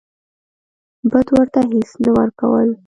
بت ورته هیڅ نه ورکول.